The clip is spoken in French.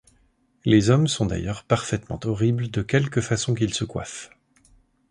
Les hommes sont d’ailleurs parfaitement horribles de quelque façon qu’ils se coiffent.